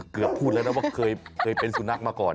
เกือบพูดแล้วว่าเคยเป็นสุนัขมาก่อน